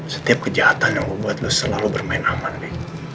setiap kejahatan yang gue buat lo selalu bermain aman bi